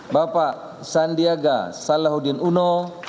bapak sandiaga salahuddin uno